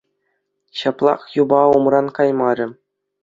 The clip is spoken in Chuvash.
Ҫаплах юпа умран каймарӗ.